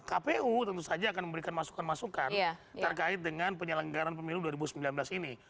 kpu tentu saja akan memberikan masukan masukan terkait dengan penyelenggaran pemilu dua ribu sembilan belas ini